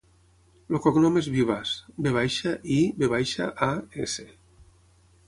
El cognom és Vivas: ve baixa, i, ve baixa, a, essa.